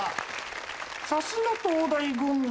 さすが東大軍団。